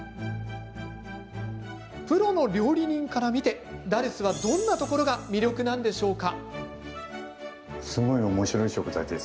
プロの料理人から見てダルスは、どんなところが魅力なんでしょうか？